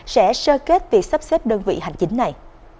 sẽ sơ kết việc sắp xếp đơn vị hành chính này